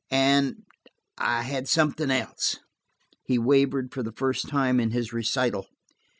And–I had something else." He wavered for the first time in his recital.